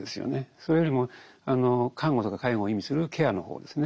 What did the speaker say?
それよりも看護とか介護を意味するケアの方ですね